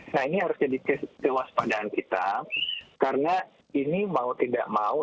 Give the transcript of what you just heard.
nah ini harus jadi kewaspadaan kita karena ini mau tidak mau